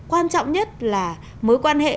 quan trọng nhất là mối quan hệ